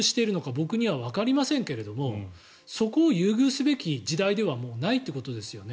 僕にはわかりませんけどもそこを優遇すべき時代ではもうないということですよね。